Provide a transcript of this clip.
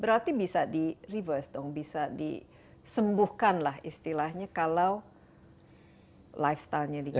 berarti bisa di reverse dong bisa di sembuhkan lah istilahnya kalau lifestyle nya diganti